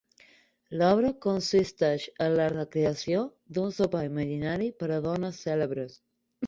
L’obra consisteix en la recreació d’un sopar imaginari per a dones cèlebres.